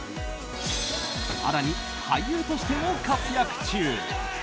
更に、俳優としても活躍中。